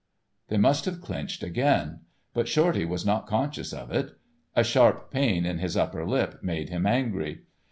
_" They must have clinched again, but Shorty was not conscious of it. A sharp pain in his upper lip made him angry.